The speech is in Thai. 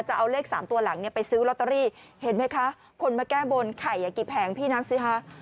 จะเอาเลข๓ตัวหลังเนี่ยไปซื้อลอตเตอรี่เห็นไหมคะคนมาแก้บนไข่กี่แผงพี่นับสิคะ